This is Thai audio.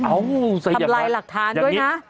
ทำลายหลักฐานด้วยนะ